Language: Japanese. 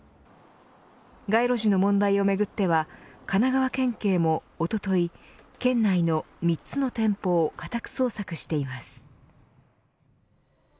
街路樹の問題をめぐっては神奈川県警もおととい県内の３つの店舗を家宅捜索しています。